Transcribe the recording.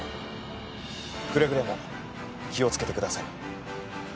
くれぐれも気をつけてください。